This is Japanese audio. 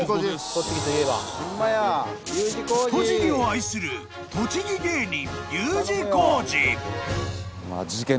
［栃木を愛する栃木芸人］